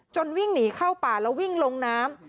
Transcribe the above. วิ่งหนีเข้าป่าแล้ววิ่งลงน้ำ